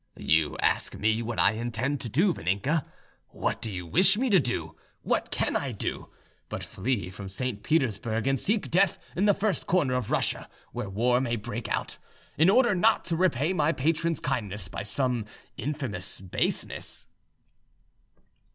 "You ask me what I intend to do, Vaninka? What do you wish me to do? What can I do, but flee from St. Petersburg, and seek death in the first corner of Russia where war may break out, in order not to repay my patron's kindness by some infamous baseness?"